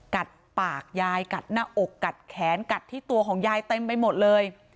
กัดปากยายกัดหน้าอกกัดแขนกัดที่ตัวของยายเต็มไปหมดเลย